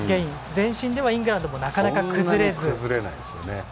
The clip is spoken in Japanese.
前進ではイングランドもなかなか崩れず。